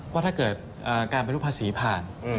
ว่าถ้าเกิดการปฏิรูปภาษีผ่าน